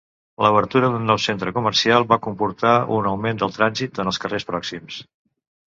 L'obertura d'un nou centre comercial va comportar un augment del trànsit en els carrers pròxims.